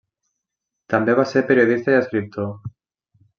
També va ser periodista i escriptor.